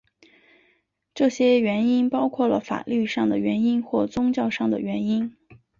这些原因包括了法律上的原因或宗教上的原因。